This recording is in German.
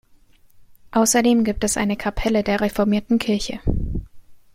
Außerdem gibt es eine Kapelle der reformierten Kirche.